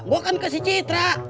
gue kan ke citra